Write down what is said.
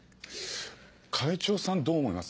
会長さんどう思います？